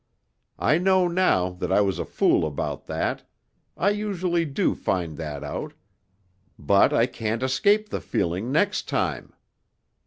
I know now that I was a fool about that I usually do find that out but I can't escape the feeling next time.